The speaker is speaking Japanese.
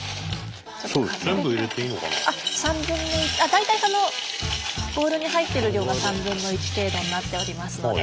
大体そのボウルに入ってる量が３分の１程度になっておりますので。